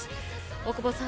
大久保さん